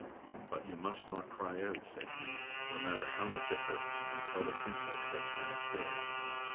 But you must not cry out," said he, no matter how much it hurts, until the princess gets down stairs.